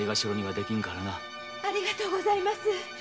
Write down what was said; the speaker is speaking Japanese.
ありがとうございます。